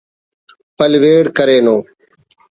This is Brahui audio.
پلویڑ کرینو